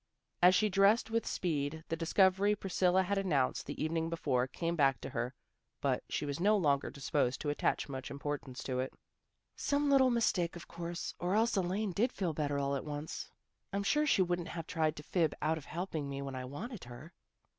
As she dressed with speed, the discovery Pris cilla had announced the evening before came back to her, but she was no longer disposed to attach much importance to it. A DISAGREEMENT 235 " Some little mistake, of course, or else Elaine did feel better all at once. I'm sure she wouldn't have tried to fib out of helping me when I wanted her."